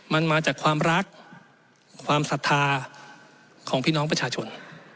มันมาจากความรักความศรัทธาของพี่น้องประชาชน